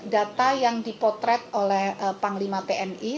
data yang dipotret oleh panglima tni